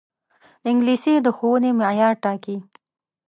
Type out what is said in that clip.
انګلیسي د ښوونې معیار ټاکي